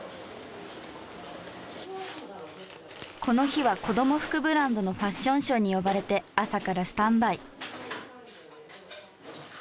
この日は子ども服ブランドのファッションショーに呼ばれて朝からスタンバイ。